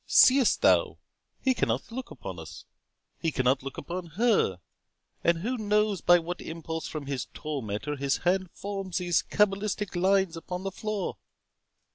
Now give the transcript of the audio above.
—Seest thou he cannot look upon us; he cannot look upon her; and who knows by what impulse from his tormentor his hand forms these cabalistic lines upon the floor?